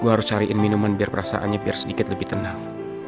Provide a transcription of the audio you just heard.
gue harus cariin minuman biar perasaannya biar sedikit lebih tenang